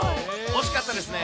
惜しかったですね。